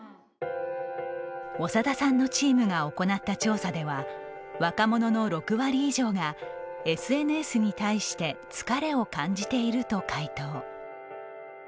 長田さんのチームが行った調査では若者の６割以上がＳＮＳに対して疲れを感じていると回答。